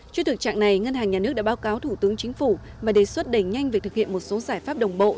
trước thực trạng này ngân hàng nhà nước đã báo cáo thủ tướng chính phủ và đề xuất đẩy nhanh việc thực hiện một số giải pháp đồng bộ